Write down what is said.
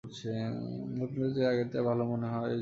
নতুনটার চেয়ে আগেরটা ভালো মনে হয় যদি!